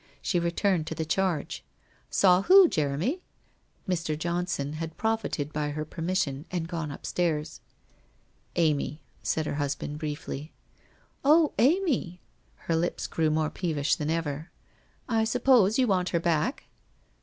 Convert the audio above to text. She returned to the charge. ' Saw who, Jeremy ?' Mr. Johnson had profited by her permission and gone up stairs. ' Amy/ said her husband briefly. ' Oh, Amy !' Her lips grew more peevish than ever. ' I suppose you want her back